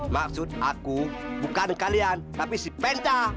maksud aku bukan kalian tapi si penta